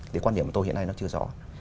thì quan điểm của tôi hiện nay nó chưa rõ